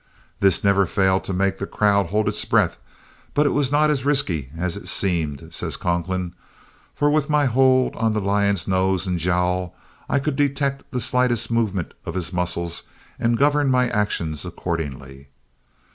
"This never failed to make the crowd hold its breath, but it was not as risky as it seemed," says Conklin, "for with my hold on the lion's nose and jowl I could detect the slightest movement of his muscles and govern my actions accordingly."